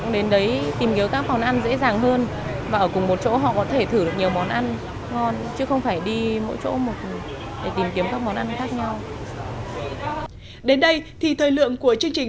đến đây thì thời lượng của chương trình